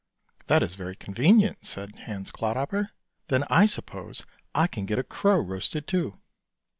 " That is very convenient," said Hans Clodhopper; " then I suppose I can get a crow roasted, too."